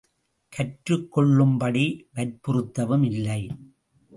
கற்றுக்கொள்ளும்படி வற்புறுத்தவும் இல்லை.